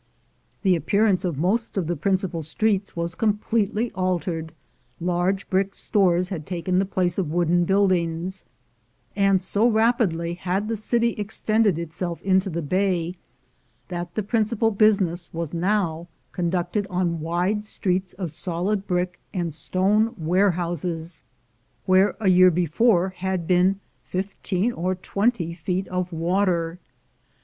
The appearance of most of the prin cipal streets was completely altered; large brick stores had taken the place of wooden buildings; and so rapidly had the city extended itself into the bay that the principal business was now conducted on wide streets of solid brick and stone warehouses, where a year before had been fifteen or twenty feet of water.